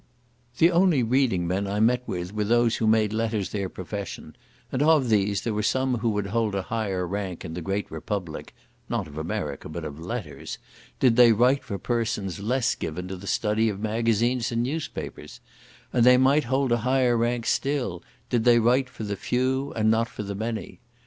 The only reading men I met with were those who made letters their profession; and of these, there were some who would hold a higher rank in the great Republic (not of America, but of letters), did they write for persons less given to the study of magazines and newspapers; and they might hold a higher rank still, did they write for the few and not for the many.